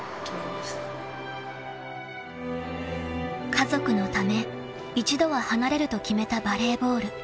［家族のため一度は離れると決めたバレーボール］